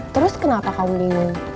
terus kenapa kamu bingung